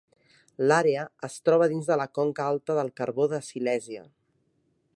L'àrea es troba dins de la conca alta del carbó de Silèsia.